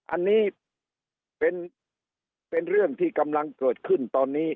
อันนี้เป็นเรื่องที่กำลังเกิดขึ้นตอนนี้